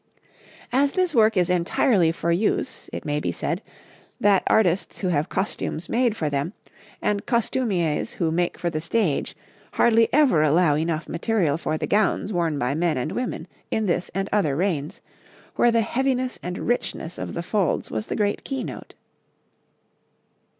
As this work is entirely for use, it may be said, that artists who have costumes made for them, and costumiers who make for the stage, hardly ever allow enough material for the gowns worn by men and women in this and other reigns, where the heaviness and richness of the folds was the great keynote.